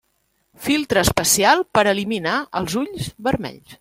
Filtre especial per eliminar els ulls vermells.